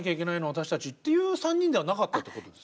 私たち」っていう３人ではなかったってことですか。